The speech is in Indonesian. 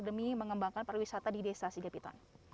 demi mengembangkan pariwisata di desa sigapiton